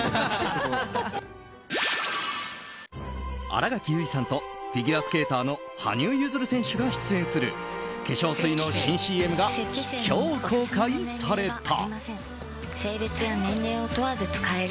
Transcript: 新垣結衣さんとフィギュアスケーターの羽生結弦選手が出演する化粧水の新ＣＭが今日、公開された。